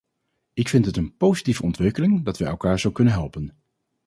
Ik vind het een positieve ontwikkeling dat wij elkaar zo kunnen helpen.